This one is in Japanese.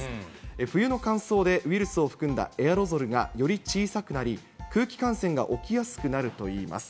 冬の乾燥でウイルスを含んだエアロゾルが、より小さくなり、空気感染が起きやすくなるといいます。